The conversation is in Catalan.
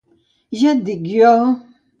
Ja et dic jo!